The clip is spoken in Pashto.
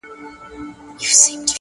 زه به سم آباد وطنه بس چي ته آباد سې-